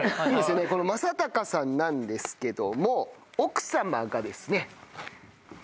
この正隆さんなんですけども奥様がですね。